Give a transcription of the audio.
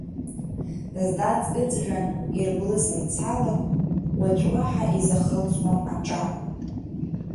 Здац ыҵжәан ирблыз мцала, Уаҵә уаҳа изахылҵуам аҿа.